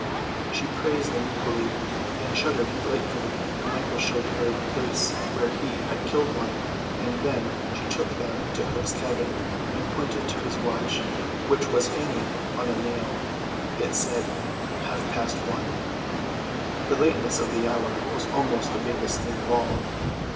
She praised them equally, and shuddered delightfully when Michael showed her the place where he had killed one; and then she took them into Hook's cabin and pointed to his watch which was hanging on a nail. It said "half past one!" The lateness of the hour was almost the biggest thing of all.